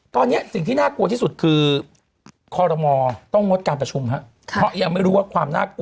ตอนนี้สิ่งที่น่ากลัวที่สุดคือคอรมอต้องงดการประชุมครับเพราะยังไม่รู้ว่าความน่ากลัว